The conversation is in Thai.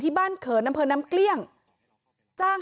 มีเรื่องอะไรมาคุยกันรับได้ทุกอย่าง